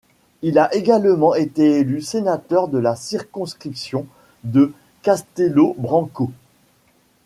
Il a également été élu sénateur de la circonscription de Castelo Branco.